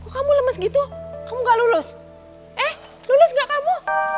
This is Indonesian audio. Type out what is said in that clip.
kamu lemes gitu kamu gak lulus eh lulus gak kamu